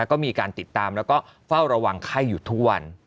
ก็มีการติดตามแล้วก็เฝ้าระวังไข้อยู่ทุกวัน